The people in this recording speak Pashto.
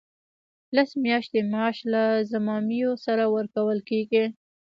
لس میاشتې معاش له ضمایمو سره ورکول کیږي.